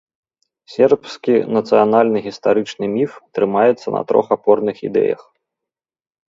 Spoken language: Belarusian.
Сербскі нацыянальны гістарычны міф трымаецца на трох апорных ідэях.